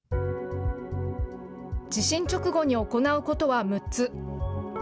地震直後に行うことは６つ。